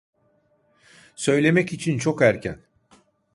Söylemek için çok erken.